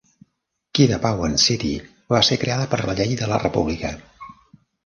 Kidapawan City va ser creada per la Llei de la república.